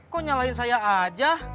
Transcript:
kok nyalain saya aja